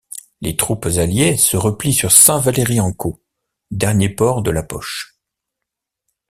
Les troupes alliées se replient sur Saint-Valery-en-Caux, dernier port de la poche.